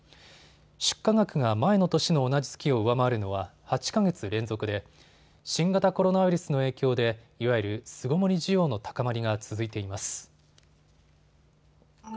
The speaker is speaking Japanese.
出荷額が前の年の同じ月を上回るのは８か月連続で新型コロナウイルスの影響でいわゆる巣ごもり需要の高まりが続いています。